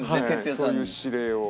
そういう指令を。